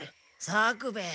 作兵衛。